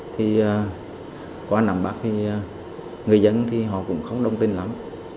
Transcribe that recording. thì qua năm bắt thì người dân thì họ cũng không đông tin lắm